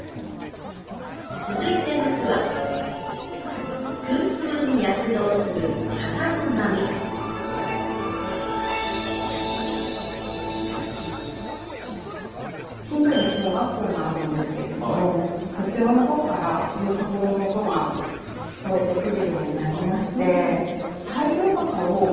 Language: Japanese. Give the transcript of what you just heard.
続いての句は近所に小学校があるんですけれどもそちらのほうから「よさこい」の音が聞こえてくるようになりまして。